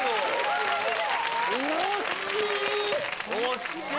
惜しい！